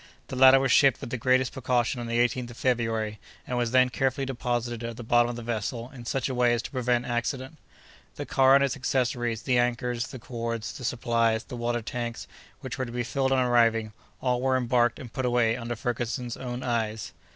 The latter was shipped with the greatest precaution on the 18th of February, and was then carefully deposited at the bottom of the vessel in such a way as to prevent accident. The car and its accessories, the anchors, the cords, the supplies, the water tanks, which were to be filled on arriving, all were embarked and put away under Ferguson's own eyes.